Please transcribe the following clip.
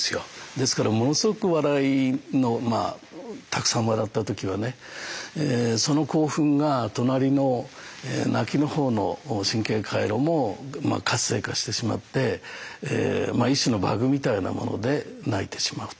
ですからものすごく笑いのまあたくさん笑った時はねその興奮が隣の泣きの方の神経回路も活性化してしまって一種のバグみたいなもので泣いてしまうと。